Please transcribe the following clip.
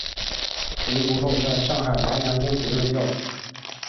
回国后在上海南洋公学任教。